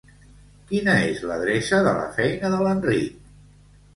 Quina és l'adreça de la feina de l'Enric?